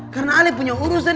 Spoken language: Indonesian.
karena ale punya urusan